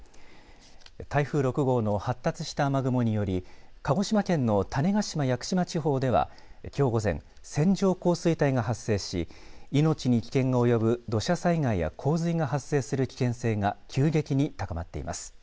台風６号の発達した雨雲により鹿児島県の種子島・屋久島地方では、きょう午前、線状降水帯が発生し命に危険が及ぶ土砂災害や洪水が発生する危険性が急激に高まっています。